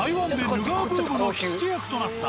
ヌガーブームの火付け役ここなんだ。